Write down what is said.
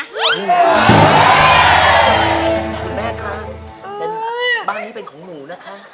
คุณแม่คะบ้านนี้เป็นของหนูนะคะ